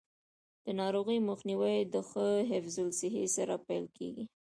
د ناروغیو مخنیوی د ښه حفظ الصحې سره پیل کیږي.